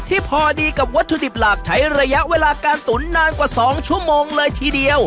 พอดีกับวัตถุดิบหลักใช้ระยะเวลาการตุ๋นนานกว่า๒ชั่วโมงเลยทีเดียว